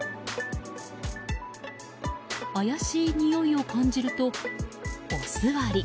怪しいにおいを感じるとお座り。